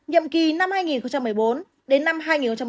nhậm kỳ năm hai nghìn một mươi bốn đến năm hai nghìn một mươi chín